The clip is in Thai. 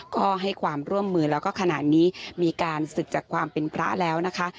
ก็ให้ความร่วมมือแล้วก็ขณะนี้มีการศึกจากความเป็นพระแล้วนะคะ